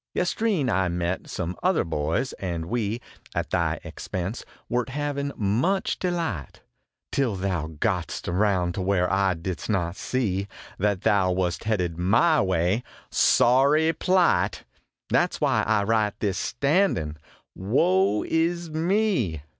Yestreen I met some other boys, and we, At thy expense, wert havin much delight Till thou got st round to where I didst not see That thou wast headed my way. Sorry plight! That s why I write this standin woe is me!